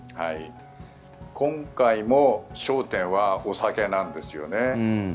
今回も焦点はお酒なんですよね。